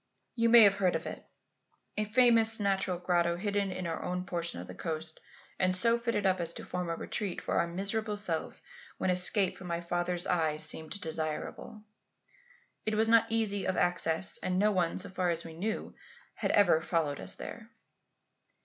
You may have heard of it, a famous natural grotto hidden in our own portion of the coast and so fitted up as to form a retreat for our miserable selves when escape from my father's eye seemed desirable. It was not easy of access, and no one, so far as we knew, had ever followed us there.